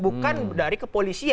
bukan dari kepolisian